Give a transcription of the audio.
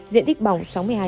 diện tích bỏng sáu mươi hai